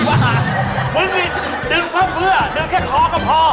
เหมือนมีนืมเพราะเมื่ออ่ะแล้วแค่คอก็พอ